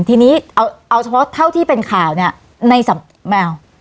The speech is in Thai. ทีนี้เอาเฉพาะเท่าที่เป็นข่าวเนี่ย